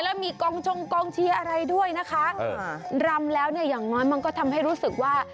แล้วมีกองชงกองเชียร์อะไรด้วยนะคะอ่ารำแล้วเนี่ยอย่างน้อยมันก็ทำให้รู้สึกว่า